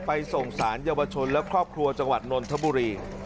ส่งสารเยาวชนและครอบครัวจังหวัดนนทบุรี